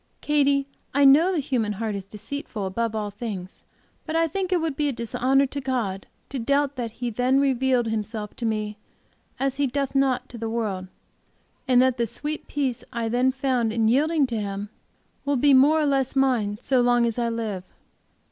Katy, I know the human heart is deceitful above all things, but I think it would be a dishonor to God to doubt that He then revealed Himself to me as He doth not to the world, and that the sweet peace I then found in yielding to Him will be more or less mine so long as I live.